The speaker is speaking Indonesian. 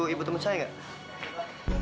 kira kira pengacara perusahaan kita akan menangis